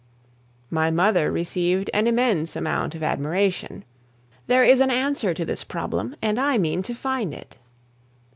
My mother received an immense amount of admiration. There is an answer to this problem, and I mean to find it.